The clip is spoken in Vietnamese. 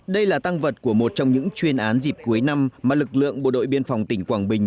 đây là tăng vật của một trong những chuyên án dịp cuối năm mà lực lượng bộ đội biên phòng tỉnh quảng bình